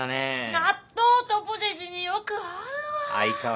納豆とポテチによく合うわ！